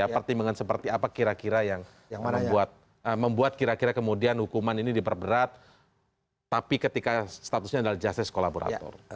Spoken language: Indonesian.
pertimbangan seperti apa kira kira yang membuat kira kira kemudian hukuman ini diperberat tapi ketika statusnya adalah justice kolaborator